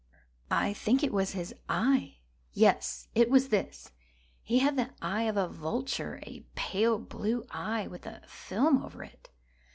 I think it was his eye! yes, it was this! He had the eye of a vulture—a pale blue eye, with a film over it.